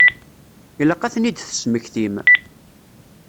Ilaq ad ten-id-tesmektim.